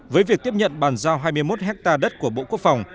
với việc tiếp nhận bàn giao hai mươi một hectare đất của bộ quốc phòng